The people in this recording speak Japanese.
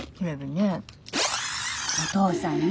お父さんね